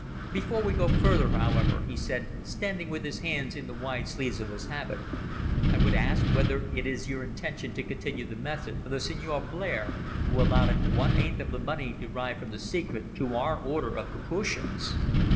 "Before we go further, however," he said, standing with his hands in the wide sleeves of his habit, "I would ask whether it is your intention to continue the methods of the Signor Blair, who allotted one eighth part of the money derived from the secret to our Order of Capuchins?"